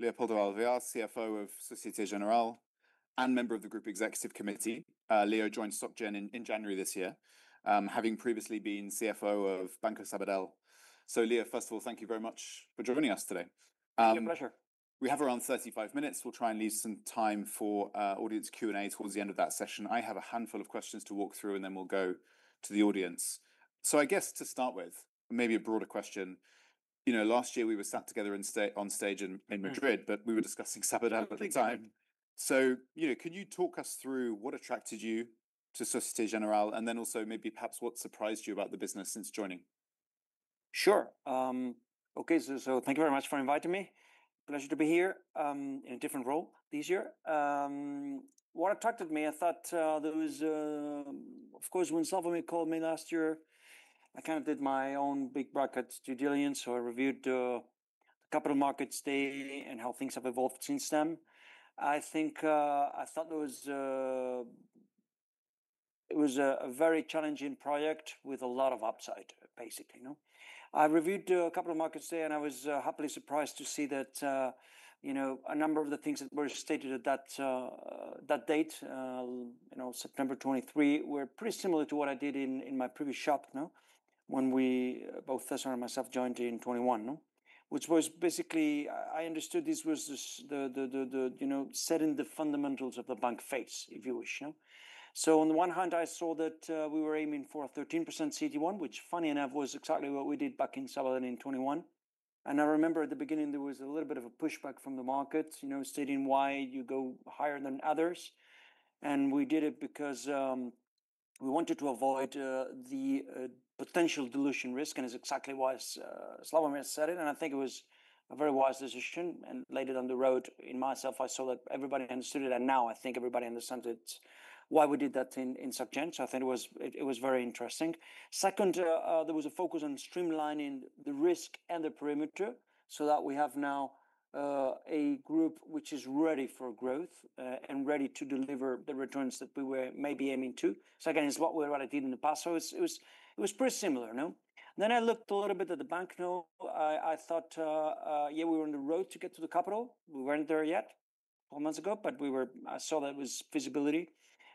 Leopoldo Alvear, CFO of Societe Generale, and member of the Group Executive Committee. Leo joined Societe Generale in January this year, having previously been CFO of Banco Sabadell. So, Leo, first of all, thank you very much for joining us today. My pleasure. We have around 35 minutes. We'll try and leave some time for audience Q&A towards the end of that session. I have a handful of questions to walk through, and then we'll go to the audience. I guess to start with, maybe a broader question. You know, last year we were sat together on stage in Madrid, but we were discussing Sabadell at the time. You know, can you talk us through what attracted you to Societe Generale, and then also maybe perhaps what surprised you about the business since joining? Sure. Okay, thank you very much for inviting me. Pleasure to be here in a different role this year. What attracted me? I thought there was, of course, when Slawomir called me last year, I kind of did my own big bracket due diligence. I reviewed the capital markets day and how things have evolved since then. I think I thought there was, it was a very challenging project with a lot of upside, basically. I reviewed the capital markets day, and I was happily surprised to see that, you know, a number of the things that were stated at that date, you know, September 2023, were pretty similar to what I did in my previous shop, you know, when we both, Hassan and myself, joined in 2021, which was basically, I understood this was the, you know, setting the fundamentals of the bank phase, if you wish. On the one hand, I saw that we were aiming for a 13% CET1, which, funny enough, was exactly what we did back in Sabadell in 2021. I remember at the beginning there was a little bit of a pushback from the markets, you know, stating why you go higher than others. We did it because we wanted to avoid the potential dilution risk, and it is exactly why Slawomir said it. I think it was a very wise decision. Later down the road, myself, I saw that everybody understood it. Now I think everybody understands it, why we did that in SocGen. I think it was very interesting. Second, there was a focus on streamlining the risk and the perimeter so that we have now a group which is ready for growth and ready to deliver the returns that we were maybe aiming to. Second is what we already did in the past. It was pretty similar, you know. I looked a little bit at the bank. I thought, yeah, we were on the road to get to the capital. We were not there yet four months ago, but I saw that it was feasibility.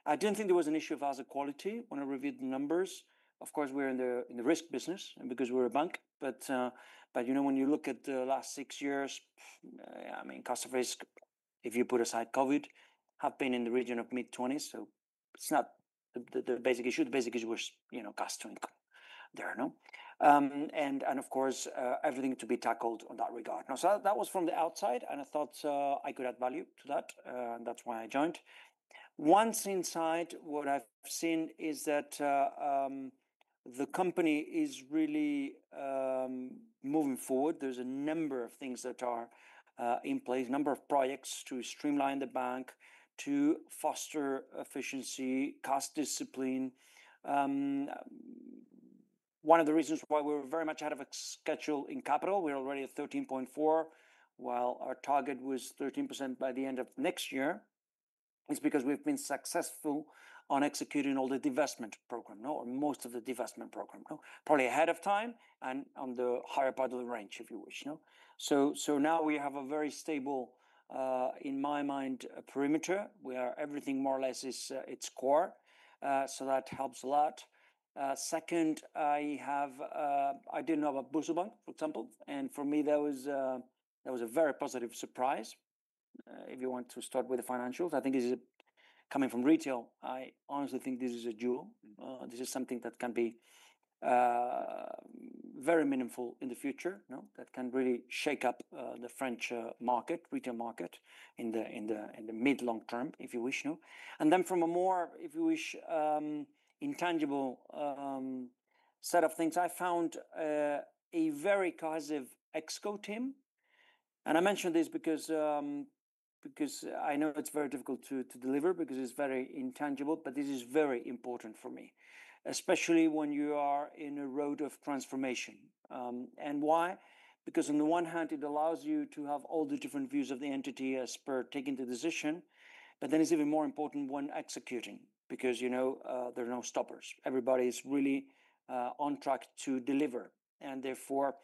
I did not think there was an issue of asset quality when I reviewed the numbers. Of course, we are in the risk business and because we are a bank. You know, when you look at the last six years, I mean, cost of risk, if you put aside COVID, have been in the region of mid-20s. It is not the basic issue. The basic issue was, you know, cost to income there, you know. Of course, everything to be tackled in that regard. That was from the outside, and I thought I could add value to that. That is why I joined. Once inside, what I have seen is that the company is really moving forward. There are a number of things that are in place, a number of projects to streamline the bank, to foster efficiency, cost discipline. One of the reasons why we are very much out of schedule in capital, we are already at 13.4%, while our target was 13% by the end of next year. It is because we have been successful on executing all the divestment program, or most of the divestment program, probably ahead of time and on the higher part of the range, if you wish. Now we have a very stable, in my mind, perimeter, where everything more or less is its core. That helps a lot. Second, I did not know about BoursoBank, for example. For me, that was a very positive surprise. If you want to start with the financials, I think this is coming from retail. I honestly think this is a jewel. This is something that can be very meaningful in the future, that can really shake up the French market, retail market in the mid-long term, if you wish. Then from a more, if you wish, intangible set of things, I found a very cohesive ExCo team. I mention this because I know it is very difficult to deliver because it is very intangible, but this is very important for me, especially when you are in a road of transformation. Why? Because on the one hand, it allows you to have all the different views of the entity as per taking the decision. Then it's even more important when executing because, you know, there are no stoppers. Everybody is really on track to deliver. Therefore,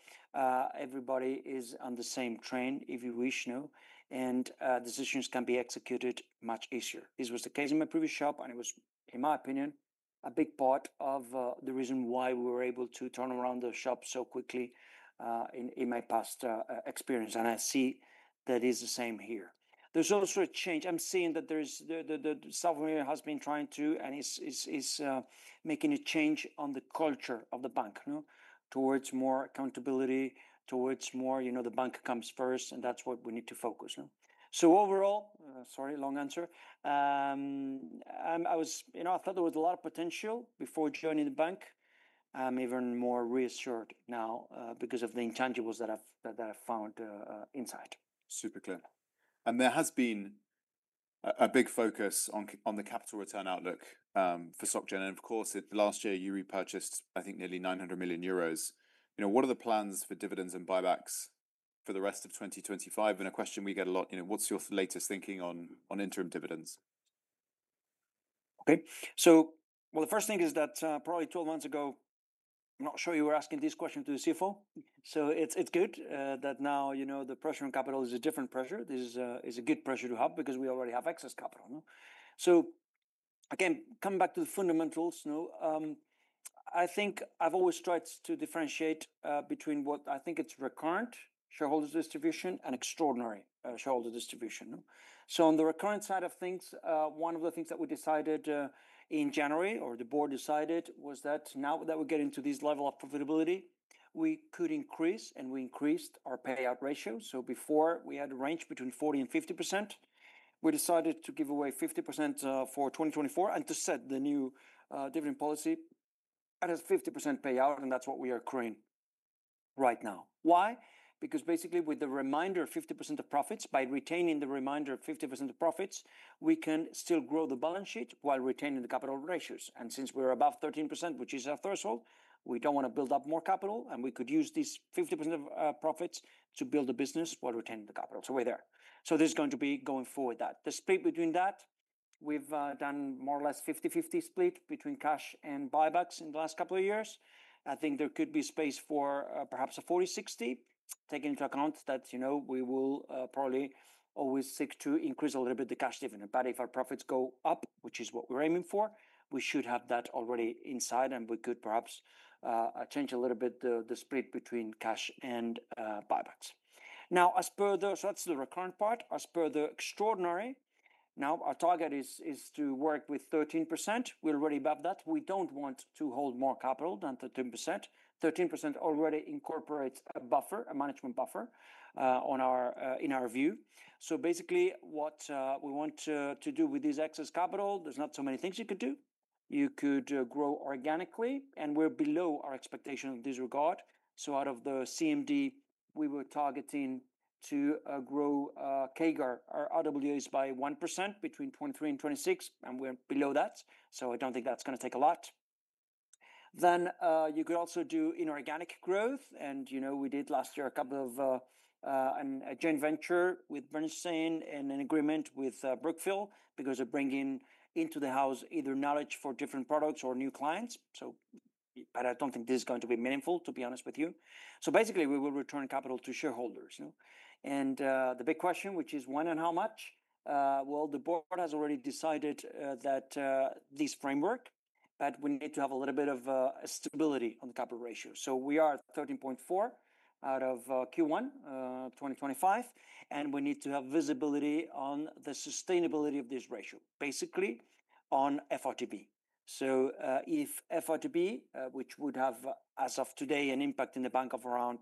everybody is on the same train, if you wish, and decisions can be executed much easier. This was the case in my previous shop, and it was, in my opinion, a big part of the reason why we were able to turn around the shop so quickly in my past experience. I see that it is the same here. There's also a change. I'm seeing that Slawomir has been trying to, and he's making a change on the culture of the bank towards more accountability, towards more, you know, the bank comes first, and that's what we need to focus. Overall, sorry, long answer. You know, I thought there was a lot of potential before joining the bank. I'm even more reassured now because of the intangibles that I've found inside. Super clear. There has been a big focus on the capital return outlook for SocGen. Of course, last year you repurchased, I think, nearly 900 million euros. You know, what are the plans for dividends and buybacks for the rest of 2025? A question we get a lot, you know, what's your latest thinking on interim dividends? Okay. The first thing is that probably 12 months ago, I'm not sure you were asking this question to the CFO. It is good that now, you know, the pressure on capital is a different pressure. This is a good pressure to have because we already have excess capital. Again, coming back to the fundamentals, I think I've always tried to differentiate between what I think is recurrent shareholder distribution and extraordinary shareholder distribution. On the recurrent side of things, one of the things that we decided in January, or the board decided, was that now that we get into this level of profitability, we could increase, and we increased our payout ratio. Before, we had a range between 40%-50%, we decided to give away 50% for 2024 and to set the new dividend policy at a 50% payout. That is what we are accruing right now. Why? Because basically with the remainder of 50% of profits, by retaining the remainder of 50% of profits, we can still grow the balance sheet while retaining the capital ratios. Since we are above 13%, which is our threshold, we do not want to build up more capital, and we could use this 50% of profits to build the business while retaining the capital. We are there. This is going to be going forward that. The split between that, we have done more or less 50/50 split between cash and buybacks in the last couple of years. I think there could be space for perhaps a 40/60, taking into account that, you know, we will probably always seek to increase a little bit the cash dividend. If our profits go up, which is what we're aiming for, we should have that already inside, and we could perhaps change a little bit the split between cash and buybacks. Now, as per the, so that's the recurrent part. As per the extraordinary, our target is to work with 13%. We're already above that. We do not want to hold more capital than 13%. 13% already incorporates a buffer, a management buffer in our view. Basically what we want to do with this excess capital, there are not so many things you could do. You could grow organically, and we're below our expectation in this regard. Out of the CMD, we were targeting to grow CAGR, our RWAs by 1% between 2023 and 2026, and we're below that. I do not think that's going to take a lot. You could also do inorganic growth. You know, we did last year a couple of a joint venture with AllianceBernstein and an agreement with Brookfield because of bringing into the house either knowledge for different products or new clients. I do not think this is going to be meaningful, to be honest with you. Basically, we will return capital to shareholders. The big question, which is when and how much, the board has already decided that this framework, but we need to have a little bit of stability on the capital ratio. We are at 13.4% out of Q1 2025, and we need to have visibility on the sustainability of this ratio, basically on FRTB. If FRTB, which would have as of today an impact in the bank of around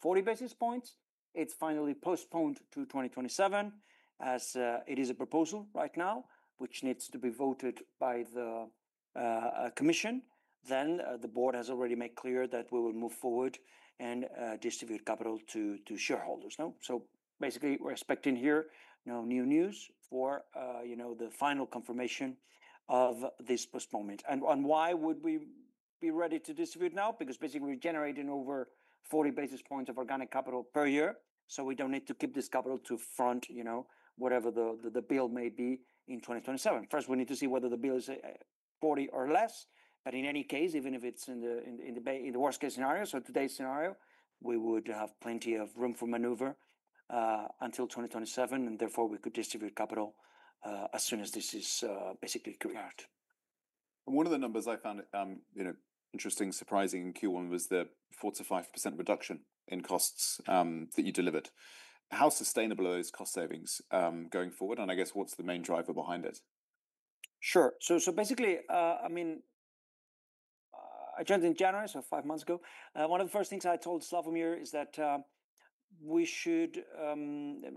40 basis points, is finally postponed to 2027 as it is a proposal right now, which needs to be voted by the commission, the board has already made clear that we will move forward and distribute capital to shareholders. Basically, we are expecting here no new news for, you know, the final confirmation of this postponement. Why would we be ready to distribute now? Because basically we are generating over 40 basis points of organic capital per year. We do not need to keep this capital to front, you know, whatever the bill may be in 2027. First, we need to see whether the bill is 0.40% or less. In any case, even if it's in the worst case scenario, so today's scenario, we would have plenty of room for maneuver until 2027, and therefore we could distribute capital as soon as this is basically cleared. One of the numbers I found, you know, interesting, surprising in Q1 was the 4%-5% reduction in costs that you delivered. How sustainable are those cost savings going forward? I guess what's the main driver behind it? Sure. So basically, I mean, I joined in January, so five months ago. One of the first things I told Slawomir is that we should,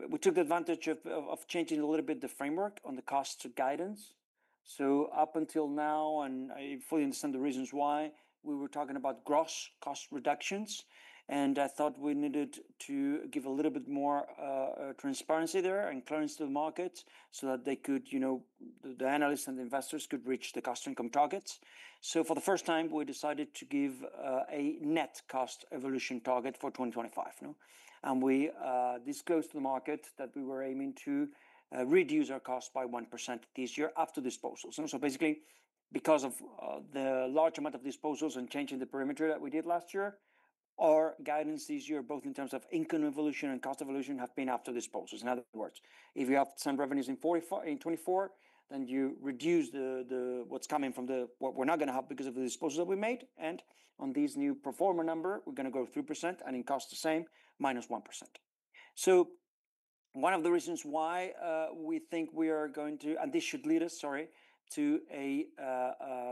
we took advantage of changing a little bit the framework on the cost guidance. Up until now, and I fully understand the reasons why, we were talking about gross cost reductions, and I thought we needed to give a little bit more transparency there and clearance to the market so that they could, you know, the analysts and the investors could reach the cost income targets. For the first time, we decided to give a net cost evolution target for 2025. We disclosed to the market that we were aiming to reduce our cost by 1% this year after disposals. Basically because of the large amount of disposals and changing the perimeter that we did last year, our guidance this year, both in terms of income evolution and cost evolution, have been after disposals. In other words, if you have some revenues in 2024, then you reduce what's coming from what we're not going to have because of the disposal that we made. On this new pro forma number, we're going to go 3% and in cost the same, -1%. One of the reasons why we think we are going to, and this should lead us, sorry, to a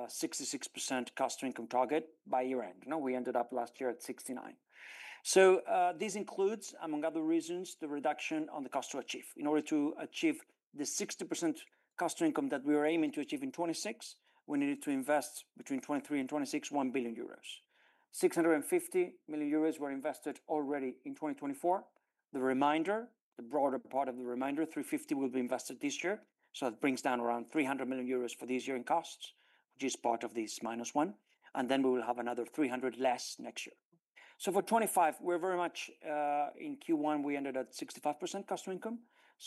66% cost to income target by year end. We ended up last year at 69%. This includes, among other reasons, the reduction on the cost to achieve. In order to achieve the 60% cost to income that we were aiming to achieve in 2026, we needed to invest between 2023 and 2026, 1 billion euros. 650 million euros were invested already in 2024. The remainder, the broader part of the remainder, 350 million will be invested this year. That brings down around 300 million euros for this year in costs, which is part of this -1%. We will have another 300 million less next year. For 2025, we are very much in Q1, we ended at 65% cost to income.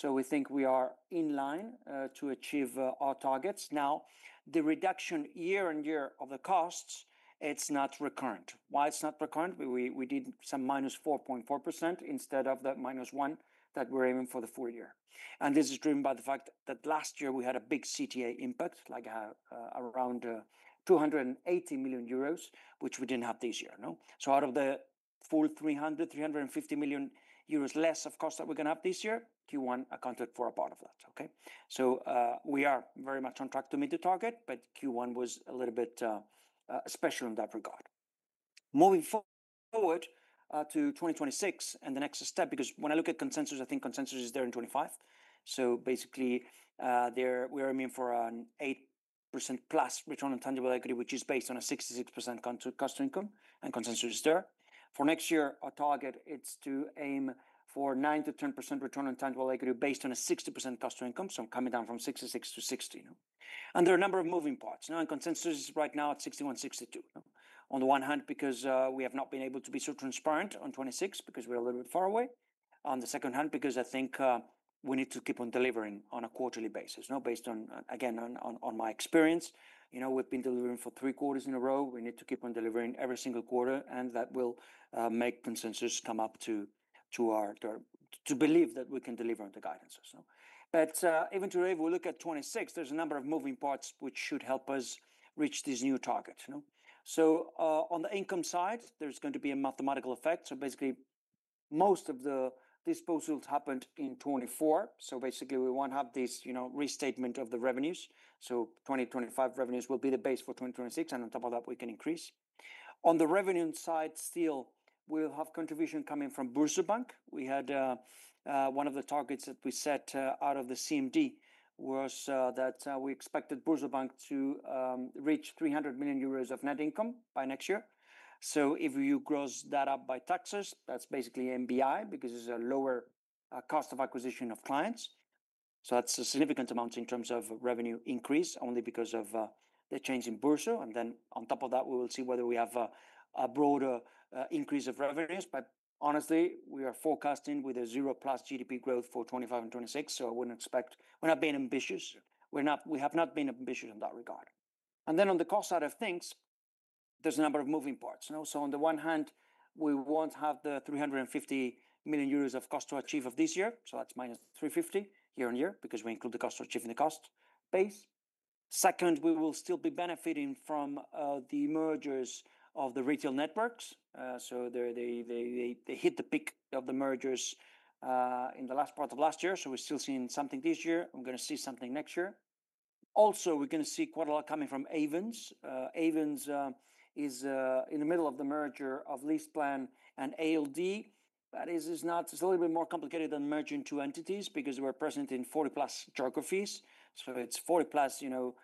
We think we are in line to achieve our targets. Now, the reduction year on year of the costs, it is not recurrent. Why is it not recurrent? We did some -4.4% instead of the -1% that we are aiming for the full year. This is driven by the fact that last year we had a big CTA impact, like around 280 million euros, which we did not have this year. Out of the full 300 million-350 million euros less of cost that we are going to have this year, Q1 accounted for a part of that. We are very much on track to meet the target, but Q1 was a little bit special in that regard. Moving forward to 2026 and the next step, because when I look at consensus, I think consensus is there in 2025. We are aiming for an 8%+ return on tangible equity, which is based on a 66% cost to income, and consensus is there. For next year, our target is to aim for 9%-10% return on tangible equity based on a 60% cost to income. I'm coming down from 66% to 60%. There are a number of moving parts. Consensus is right now at 61%-62%. On the one hand, because we have not been able to be so transparent on 2026, because we're a little bit far away. On the second hand, because I think we need to keep on delivering on a quarterly basis, based on, again, on my experience. You know, we've been delivering for three quarters in a row. We need to keep on delivering every single quarter, and that will make consensus come up to believe that we can deliver on the guidances. Even today, if we look at 2026, there's a number of moving parts which should help us reach this new target. On the income side, there's going to be a mathematical effect. Basically, most of the disposals happened in 2024. Basically, we will not have this, you know, restatement of the revenues. 2025 revenues will be the base for 2026, and on top of that, we can increase. On the revenue side, still we will have contribution coming from BoursoBank. We had one of the targets that we set out of the CMD was that we expected BoursoBank to reach 300 million euros of net income by next year. If you gross that up by taxes, that is basically MBI because it is a lower cost of acquisition of clients. That is a significant amount in terms of revenue increase only because of the change in Bourso. On top of that, we will see whether we have a broader increase of revenues. Honestly, we are forecasting with a zero plus GDP growth for 2025 and 2026. I wouldn't expect, we're not being ambitious. We have not been ambitious in that regard. On the cost side of things, there's a number of moving parts. On the one hand, we won't have the 350 million euros of cost to achieve of this year. That's -350 year-on-year because we include the cost to achieve in the cost base. Second, we will still be benefiting from the mergers of the retail networks. They hit the peak of the mergers in the last part of last year. We're still seeing something this year. We're going to see something next year. Also, we're going to see quite a lot coming from Ayvens. Ayvens is in the middle of the merger of LeasePlan and ALD. That is not, it's a little bit more complicated than merging two entities because we're present in 40+ geographies. So it's 40+, you know,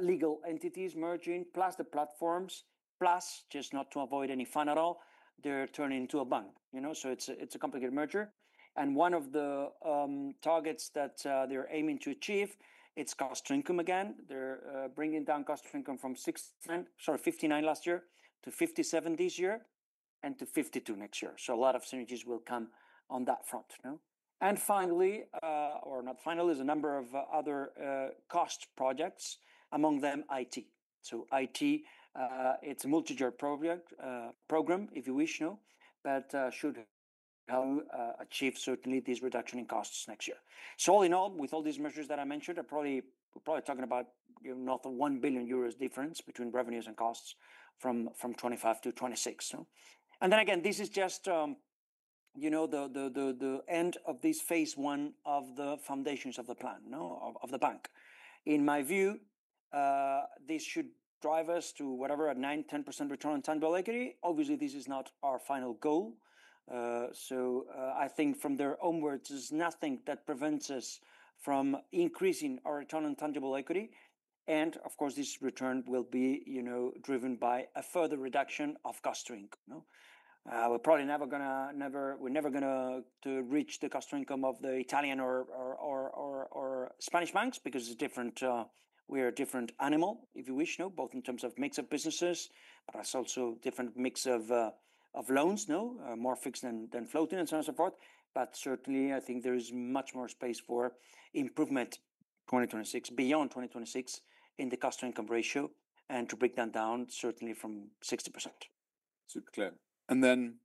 legal entities merging plus the platforms plus just not to avoid any fun at all, they're turning into a bun. You know, so it's a complicated merger. One of the targets that they're aiming to achieve, it's cost to income again. They're bringing down cost to income from 59 last year to 57 this year and to 52 next year. A lot of synergies will come on that front. Finally, or not finally, there's a number of other cost projects, among them IT. IT, it's a multi-year program, if you wish, but should help achieve certainly this reduction in costs next year. All in all, with all these measures that I mentioned, I probably, we're probably talking about, you know, not 1 billion euros difference between revenues and costs from 2025-2026. And then again, this is just, you know, the end of this phase I of the foundations of the plan, of the bank. In my view, this should drive us to whatever a 9%-10% return on tangible equity. Obviously, this is not our final goal. I think from their own words, there's nothing that prevents us from increasing our return on tangible equity. Of course, this return will be, you know, driven by a further reduction of cost to income. We're probably never going to, never, we're never going to reach the cost to income of the Italian or Spanish banks because it's different, we're a different animal, if you wish, both in terms of mix of businesses, but it's also different mix of loans, more fixed than floating and so on and so forth. Certainly, I think there is much more space for improvement 2026, beyond 2026 in the cost to income ratio and to break that down certainly from 60%. Super clear. And then,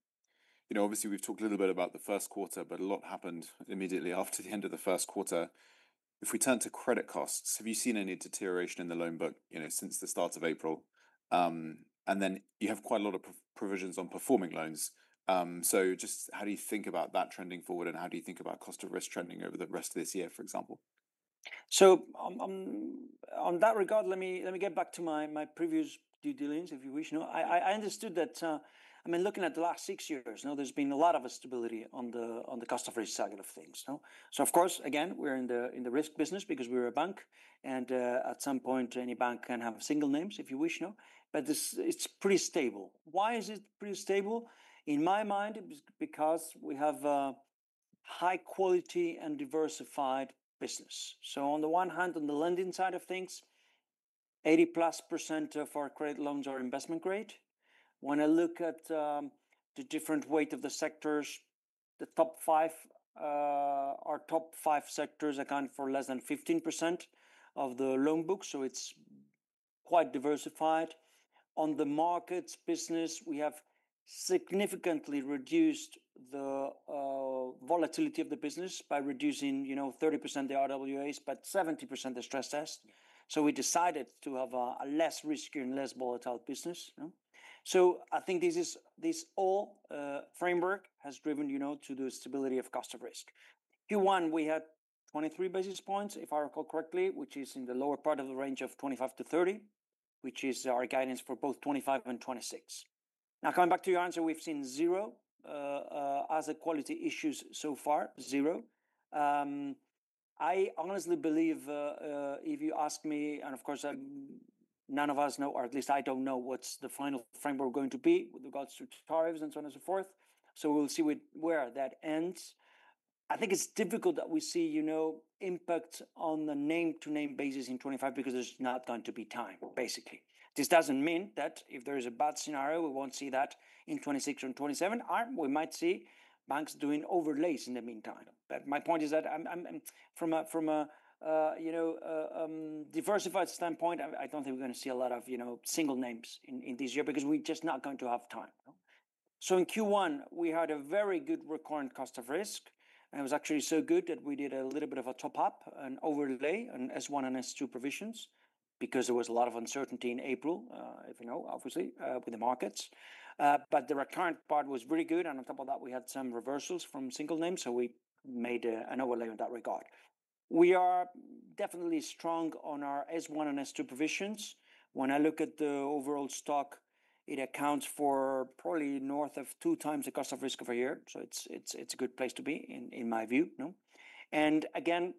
you know, obviously we've talked a little bit about the first quarter, but a lot happened immediately after the end of the first quarter. If we turn to credit costs, have you seen any deterioration in the loan book, you know, since the start of April? And then you have quite a lot of provisions on performing loans. So just how do you think about that trending forward and how do you think about cost of risk trending over the rest of this year, for example? On that regard, let me get back to my previous due diligence, if you wish. I understood that, I mean, looking at the last six years, there's been a lot of stability on the cost of risk side of things. Of course, again, we're in the risk business because we're a bank and at some point any bank can have single names, if you wish. It is pretty stable. Why is it pretty stable? In my mind, because we have a high quality and diversified business. On the one hand, on the lending side of things, 80%+ of our credit loans are investment grade. When I look at the different weight of the sectors, the top five, our top five sectors account for less than 15% of the loan book. It is quite diversified. On the markets business, we have significantly reduced the volatility of the business by reducing, you know, 30% the RWAs, but 70% the stress test. We decided to have a less risky and less volatile business. I think this whole framework has driven, you know, to the stability of cost of risk. Q1, we had 23 basis points, if I recall correctly, which is in the lower part of the range of 0.25%-0.30%, which is our guidance for both 2025 and 2026. Now, coming back to your answer, we've seen zero as a quality issues so far, zero. I honestly believe if you ask me, and of course, none of us know, or at least I do not know what's the final framework going to be with regards to tariffs and so on and so forth. We will see where that ends. I think it's difficult that we see, you know, impact on the name to name basis in 2025 because there's not going to be time, basically. This doesn't mean that if there is a bad scenario, we won't see that in 2026 and 2027, and we might see banks doing overlays in the meantime. My point is that from a, you know, diversified standpoint, I don't think we're going to see a lot of, you know, single names in this year because we're just not going to have time. In Q1, we had a very good recurrent cost of risk, and it was actually so good that we did a little bit of a top-up and overlay on S1 and S2 provisions because there was a lot of uncertainty in April, if you know, obviously, with the markets. The recurrent part was really good, and on top of that, we had some reversals from single names, so we made an overlay in that regard. We are definitely strong on our S1 and S2 provisions. When I look at the overall stock, it accounts for probably north of two times the cost of risk of a year. It is a good place to be, in my view. Again,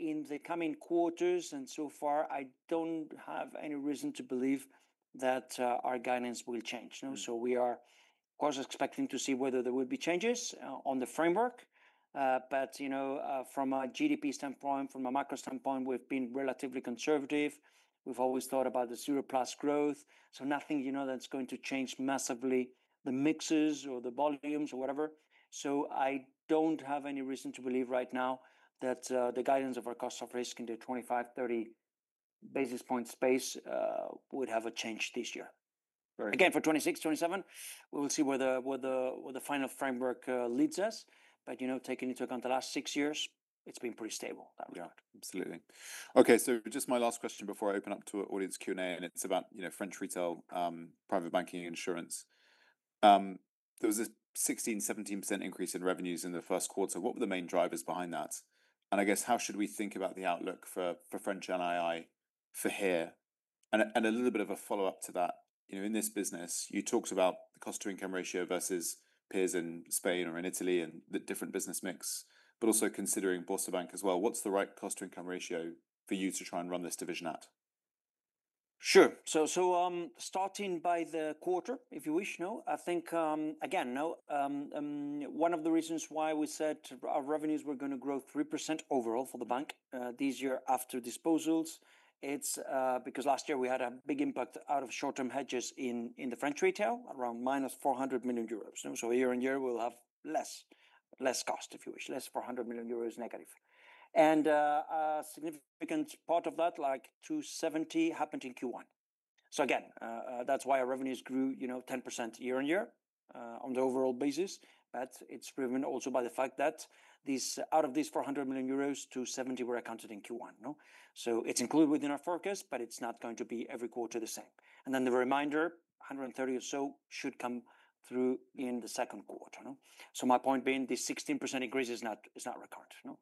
in the coming quarters and so far, I do not have any reason to believe that our guidance will change. We are of course expecting to see whether there will be changes on the framework. You know, from a GDP standpoint, from a macro standpoint, we have been relatively conservative. We have always thought about the zero plus growth. Nothing, you know, that is going to change massively the mixes or the volumes or whatever. I do not have any reason to believe right now that the guidance of our cost of risk in the 25-30 basis point space would have a change this year. Again, for 2026-2027, we will see where the final framework leads us. But, you know, taking into account the last six years, it has been pretty stable in that regard. Absolutely. Okay. So just my last question before I open up to audience Q&A, and it's about, you know, French retail private banking insurance. There was a 16%-17% increase in revenues in the first quarter. What were the main drivers behind that? And I guess, how should we think about the outlook for French NII for here? And a little bit of a follow-up to that, you know, in this business, you talked about the cost to income ratio versus peers in Spain or in Italy and the different business mix, but also considering BoursoBank as well. What's the right cost to income ratio for you to try and run this division at? Sure. So starting by the quarter, if you wish, I think, again, one of the reasons why we said our revenues were going to grow 3% overall for the bank this year after disposals, it's because last year we had a big impact out of short-term hedges in the French retail around -400 million euros. So year on year, we'll have less cost, if you wish, less 400 million euros negative. A significant part of that, like 270 million, happened in Q1. Again, that's why our revenues grew, you know, 10% year on year on the overall basis. It is driven also by the fact that out of these 400 million euros, 270 million were accounted in Q1. It is included within our forecast, but it is not going to be every quarter the same. The remainder, 130 million or so, should come through in the second quarter. My point being, the 16% increase is not recurrent.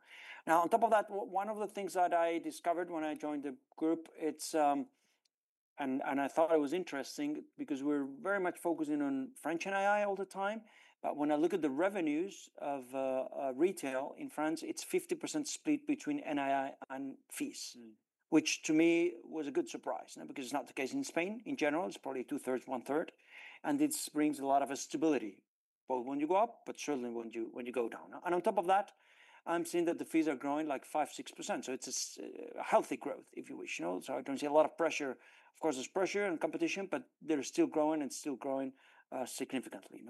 Now, on top of that, one of the things that I discovered when I joined the group, it's, and I thought it was interesting because we're very much focusing on French NII all the time. When I look at the revenues of retail in France, it's 50% split between NII and fees, which to me was a good surprise because it's not the case in Spain in general. It's probably two-thirds, one-third. This brings a lot of stability, both when you go up, but certainly when you go down. On top of that, I'm seeing that the fees are growing like 5%-6%. It's a healthy growth, if you wish. I do not see a lot of pressure. Of course, there's pressure and competition, but they're still growing and still growing significantly.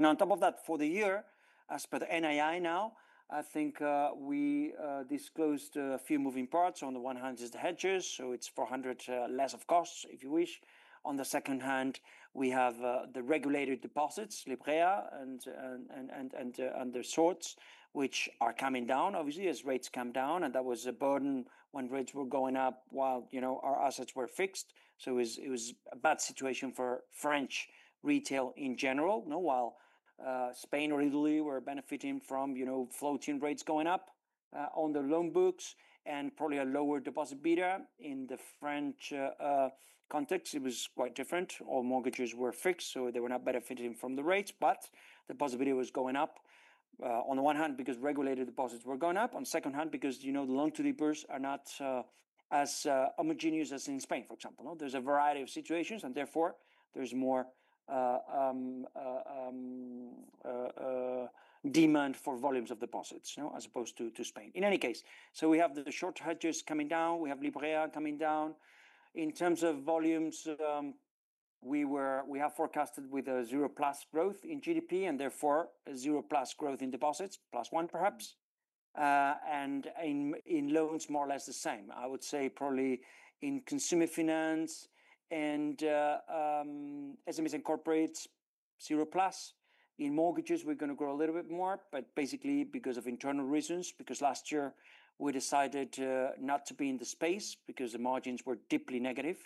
Now, on top of that, for the year, as per the NII now, I think we disclosed a few moving parts. On the one hand, it's the hedges. So it's 400 million less of costs, if you wish. On the second hand, we have the regulated deposits, Livret A, and other sorts, which are coming down, obviously, as rates come down. And that was a burden when rates were going up while, you know, our assets were fixed. It was a bad situation for French retail in general, while Spain or Italy were benefiting from, you know, floating rates going up on the loan books and probably a lower deposit bidder in the French context. It was quite different. All mortgages were fixed, so they were not benefiting from the rates, but the possibility was going up on the one hand because regulated deposits were going up, on the second hand because, you know, the loan to depositors are not as homogeneous as in Spain, for example. There is a variety of situations, and therefore there is more demand for volumes of deposits as opposed to Spain. In any case, we have the short hedges coming down. We have Livret A coming down. In terms of volumes, we have forecasted with a 0%+ growth in GDP and therefore a 0%+ plus growth in deposits, +1% perhaps. In loans, more or less the same. I would say probably in consumer finance and SMEs and corporates, 0%+ plus. In mortgages, we're going to grow a little bit more, but basically because of internal reasons, because last year we decided not to be in the space because the margins were deeply negative,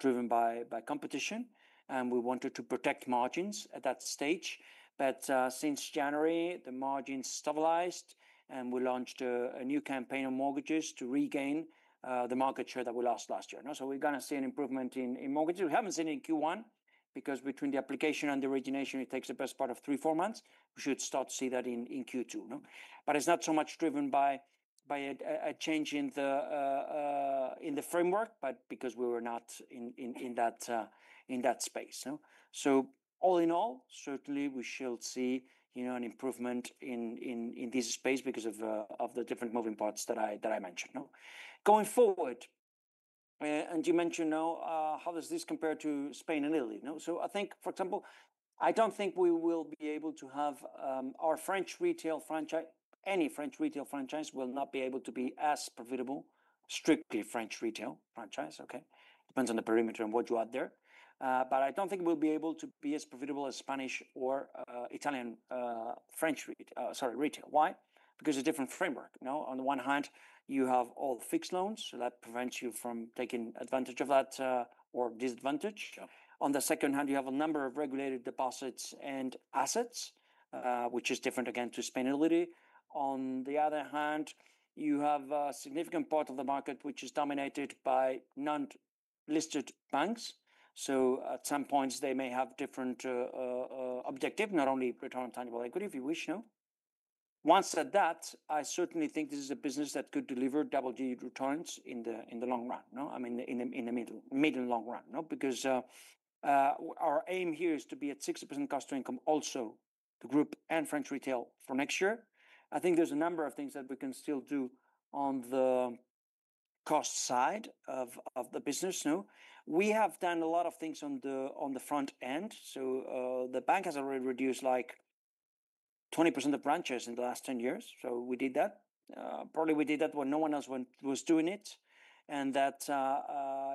driven by competition. We wanted to protect margins at that stage. Since January, the margins stabilized, and we launched a new campaign on mortgages to regain the market share that we lost last year. We're going to see an improvement in mortgages. We haven't seen it in Q1 because between the application and the origination, it takes the best part of three to four months. We should start to see that in Q2. It's not so much driven by a change in the framework, but because we were not in that space. All in all, certainly we shall see, you know, an improvement in this space because of the different moving parts that I mentioned. Going forward, and you mentioned, how does this compare to Spain and Italy? I think, for example, I do not think we will be able to have our French retail franchise, any French retail franchise will not be able to be as profitable, strictly French retail franchise. Okay. It depends on the perimeter and what you add there. I do not think we will be able to be as profitable as Spanish or Italian retail. Why? Because it is a different framework. On the one hand, you have all fixed loans, so that prevents you from taking advantage of that or disadvantage. On the second hand, you have a number of regulated deposits and assets, which is different again to Spain and Italy. On the other hand, you have a significant part of the market which is dominated by non-listed banks. At some points, they may have different objectives, not only return on tangible equity, if you wish. Once said that, I certainly think this is a business that could deliver double-digit returns in the long run, I mean, in the middle and long run. Because our aim here is to be at 60% cost to income also to group and French retail for next year. I think there's a number of things that we can still do on the cost side of the business. We have done a lot of things on the front end. The bank has already reduced like 20% of branches in the last 10 years. We did that. Probably we did that when no one else was doing it. That,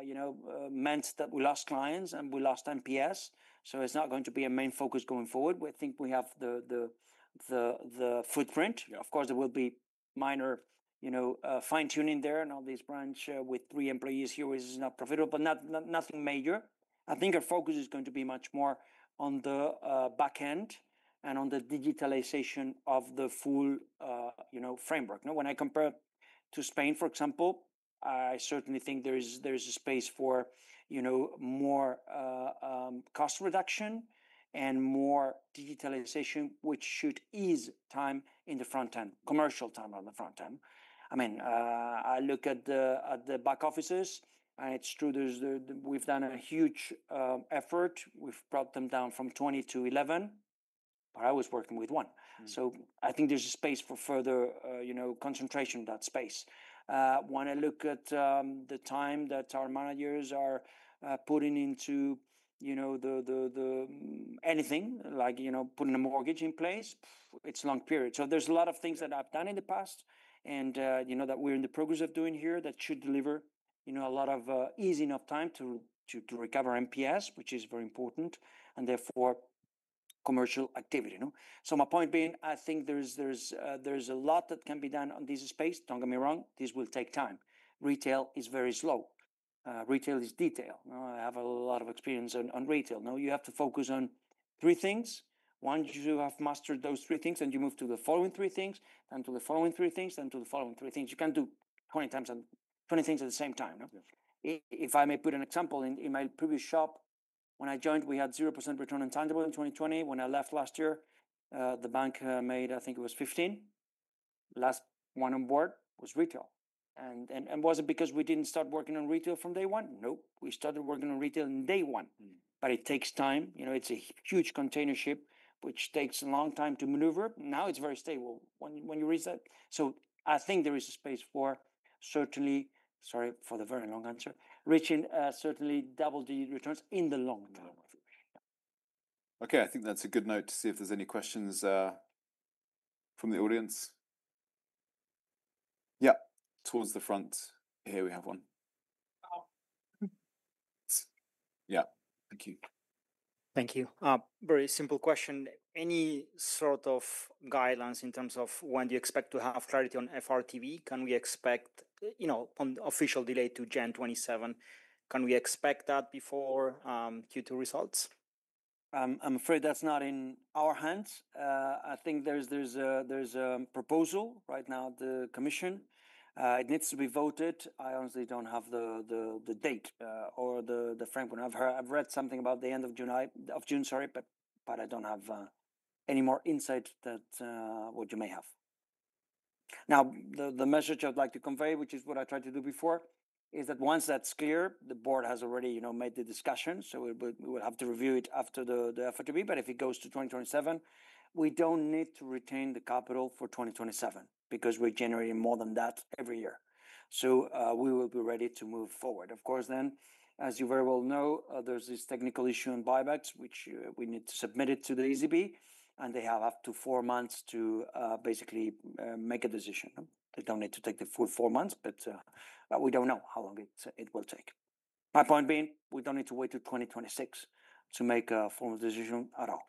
you know, meant that we lost clients and we lost MPS. It is not going to be a main focus going forward. We think we have the footprint. Of course, there will be minor, you know, fine-tuning there and all these branch with three employees here is not profitable, but nothing major. I think our focus is going to be much more on the back end and on the digitalization of the full, you know, framework. When I compare to Spain, for example, I certainly think there is a space for, you know, more cost reduction and more digitalization, which should ease time in the front end, commercial time on the front end. I mean, I look at the back offices and it is true we have done a huge effort. We have brought them down from 20 to 11, but I was working with one. I think there's a space for further, you know, concentration in that space. When I look at the time that our managers are putting into, you know, anything like, you know, putting a mortgage in place, it's a long period. There's a lot of things that I've done in the past and, you know, that we're in the progress of doing here that should deliver, you know, a lot of easing of time to recover MPS, which is very important and therefore commercial activity. My point being, I think there's a lot that can be done on this space. Don't get me wrong, this will take time. Retail is very slow. Retail is detail. I have a lot of experience on retail. You have to focus on three things. Once you have mastered those three things and you move to the following three things and to the following three things and to the following three things, you can do 20 things at the same time. If I may put an example, in my previous shop, when I joined, we had 0% return on tangible in 2020. When I left last year, the bank made, I think it was 15. Last one on board was retail. And was it because we did not start working on retail from day one? Nope. We started working on retail in day one. But it takes time. You know, it is a huge container ship, which takes a long time to maneuver. Now it is very stable when you reset. I think there is a space for certainly, sorry for the very long answer, reaching certainly double-digit returns in the long term. Okay. I think that's a good note to see if there's any questions from the audience. Yeah. Towards the front here, we have one. Yeah. Thank you. Thank you. Very simple question. Any sort of guidelines in terms of when do you expect to have clarity on FRTB? Can we expect, you know, an official delay to January 2027? Can we expect that before Q2 results? I'm afraid that's not in our hands. I think there's a proposal right now at the commission. It needs to be voted. I honestly don't have the date or the framework. I've read something about the end of June, sorry, but I don't have any more insight than what you may have. Now, the message I'd like to convey, which is what I tried to do before, is that once that's clear, the board has already made the discussion. We will have to review it after the FRTB. If it goes to 2027, we don't need to retain the capital for 2027 because we're generating more than that every year. We will be ready to move forward. Of course, then, as you very well know, there's this technical issue in buybacks, which we need to submit to the ECB, and they have up to four months to basically make a decision. They don't need to take the full four months, but we don't know how long it will take. My point being, we don't need to wait to 2026 to make a formal decision at all.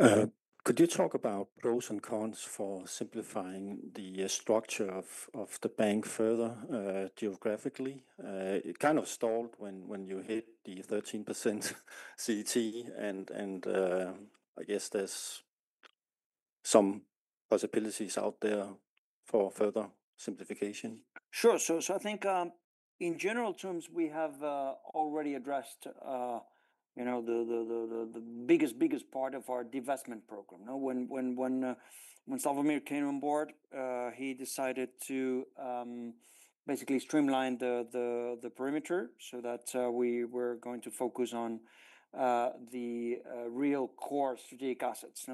Okay. Could you talk about pros and cons for simplifying the structure of the bank further geographically? It kind of stalled when you hit the 13% CET1, and I guess there's some possibilities out there for further simplification. Sure. I think in general terms, we have already addressed, you know, the biggest, biggest part of our divestment program. When Slawomir came on board, he decided to basically streamline the perimeter so that we were going to focus on the real core strategic assets.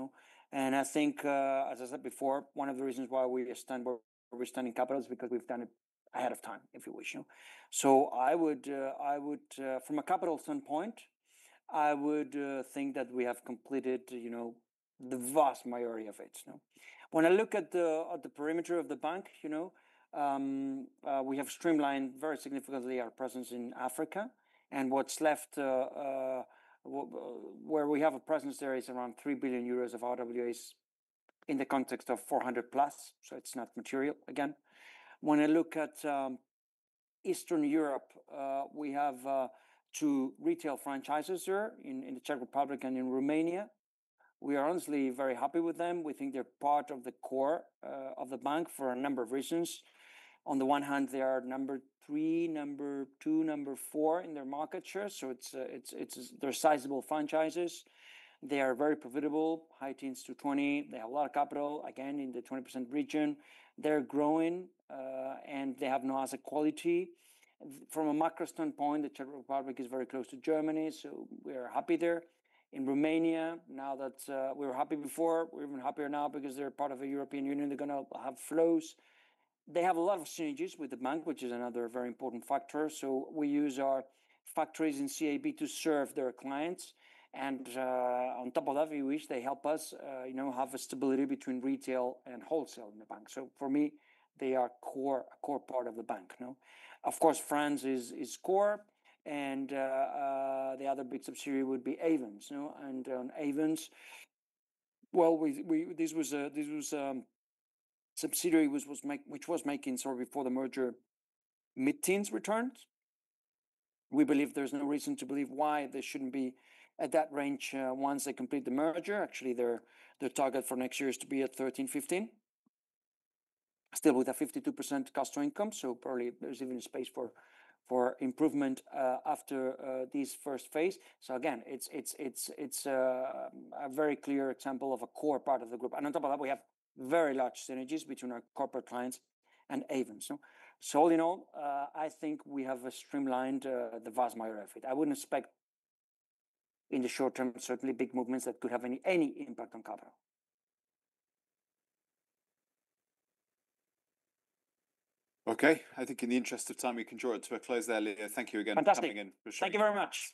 I think, as I said before, one of the reasons why we stand where we're standing capital is because we've done it ahead of time, if you wish. I would, from a capital standpoint, think that we have completed, you know, the vast majority of it. When I look at the perimeter of the bank, you know, we have streamlined very significantly our presence in Africa. What's left, where we have a presence there, is around 3 billion euros of RWAs in the context of 400 billion+. It is not material, again. When I look at Eastern Europe, we have two retail franchises there in the Czech Republic and in Romania. We are honestly very happy with them. We think they're part of the core of the bank for a number of reasons. On the one hand, they are number three, number two, number four in their market share. So they're sizable franchises. They are very profitable, high teens to 20%. They have a lot of capital, again, in the 20% region. They're growing and they have no asset quality. From a macro standpoint, the Czech Republic is very close to Germany, so we are happy there. In Romania, now that we were happy before, we're even happier now because they're part of the European Union. They're going to have flows. They have a lot of synergies with the bank, which is another very important factor. We use our factories in CAB to serve their clients. On top of that, we wish they help us, you know, have a stability between retail and wholesale in the bank. For me, they are a core part of the bank. Of course, France is core. The other big subsidiary would be Ayvens. On Ayvens, this was a subsidiary which was making, sorry, before the merger, mid-teens returns. We believe there is no reason to believe why there should not be at that range once they complete the merger. Actually, their target for next year is to be at 13%-15%, still with a 52% cost to income. Probably there is even space for improvement after this first phase. Again, it is a very clear example of a core part of the group. On top of that, we have very large synergies between our corporate clients and Ayvens. All in all, I think we have streamlined the vast majority of it. I would not expect in the short term, certainly big movements that could have any impact on capital. Okay. I think in the interest of time, we can draw it to a close there, Leah. Thank you again for coming in. Fantastic. Thank you very much.